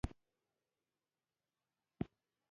او کله يې نامستقيم